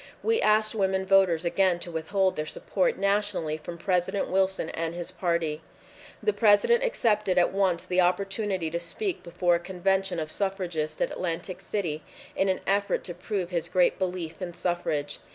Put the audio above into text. We asked women voters again to withhold their support nationally from President Wilson and his party. The President accepted at once the opportunity to speak before a convention of suffragists at Atlantic City in an effort to prove his great belief in suffrage.